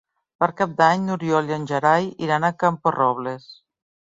Per Cap d'Any n'Oriol i en Gerai iran a Camporrobles.